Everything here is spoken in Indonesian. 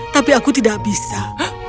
tapi aku tidak bisa